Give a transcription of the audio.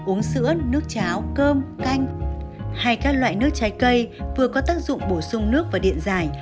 uống sữa nước cháo cơm canh hay các loại nước trái cây vừa có tác dụng bổ sung nước và điện dài